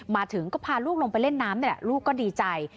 มาถึงก็พาลูกลงไปเล่นน้ำนี่แหละลูกก็ดีใจ